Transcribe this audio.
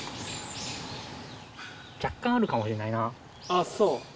あっそう。